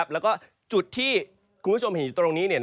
แล้วก็จุดที่คุณผู้ชมเห็นอยู่ตรงนี้